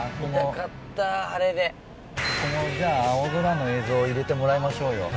ここもじゃあ青空の映像入れてもらいましょうよ。